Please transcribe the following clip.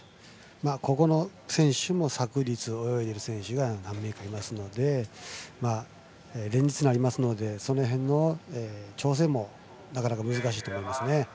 ここの選手も昨日泳いでいる選手がいますので連日になりますのでその辺の調整もなかなか難しいと思いますね。